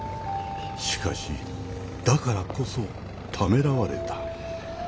しかしだからこそためらわれた。